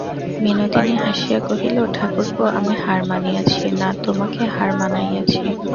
বিনোদিনী হাসিয়া কহিল, ঠাকুরপো, আমি হার মানিয়াছি, না তোমাকে হার মানাইয়াছি?